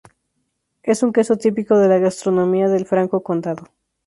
Es un queso típico de la gastronomía del Franco Condado.